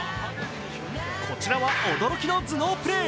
こちらは驚きの頭脳プレー。